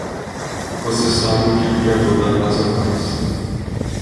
Você sabe o que o criador da casa faz.